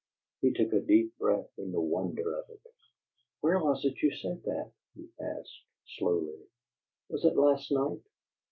He took a deep breath in the wonder of it. "Where was it you said that?" he asked, slowly. "Was it last night?"